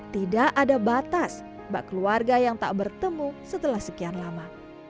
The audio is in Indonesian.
tidak ada batas mbak keluarga yang tak bertemu setelah sekian lama